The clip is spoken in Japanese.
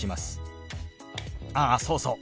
あっそうそう。